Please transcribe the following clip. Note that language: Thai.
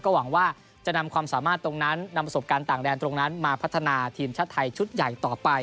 หวังว่าจะนำความสามารถตรงนั้นนำประสบการณ์ต่างแดนตรงนั้นมาพัฒนาทีมชาติไทยชุดใหญ่ต่อไป